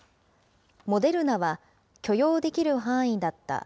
モデルナは許容できる範囲だった。